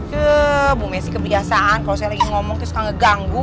ke bu messi kebiasaan kalau saya lagi ngomong tuh suka ngeganggu